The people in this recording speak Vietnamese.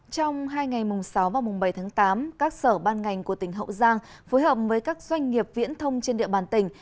trong hai ngày mùng sáu và mùng bảy tháng tám các sở ban ngành của tỉnh hậu giang phối hợp với các doanh nghiệp viễn thông trên địa bàn tỉnh